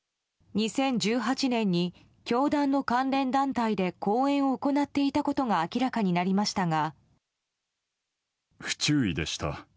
２０１８年に教団の関連団体で講演を行っていたことが明らかになりましたが。